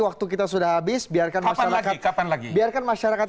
waktu kita sudah habis biarkan masyarakat